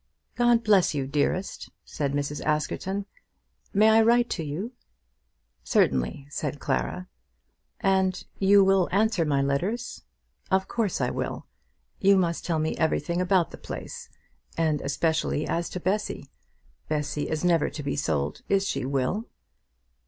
"God bless you, dearest," said Mrs. Askerton. "May I write to you?" "Certainly," said Clara. "And you will answer my letters?" "Of course I will. You must tell me everything about the place; and especially as to Bessy. Bessy is never to be sold; is she, Will?"